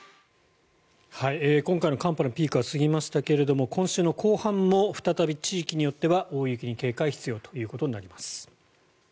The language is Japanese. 今回の寒波のピークは過ぎましたけれども今週の後半も再び地域によっては大雪に警戒が必要ということになります。